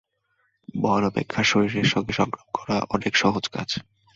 মন অপেক্ষা শরীরের সঙ্গে সংগ্রাম করা অনেক সহজ কাজ।